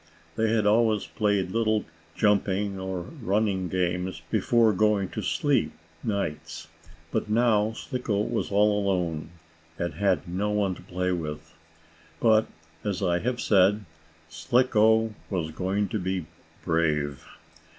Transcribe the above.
They had always played little jumping or running games before going to sleep nights. But now Slicko was all alone, and had no one to play with. But, as I have said, Slicko was going to be brave.